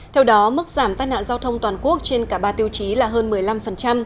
theo đó mức giảm tai nạn giao thông toàn quốc trên cả ba tiêu chí là hơn một mươi năm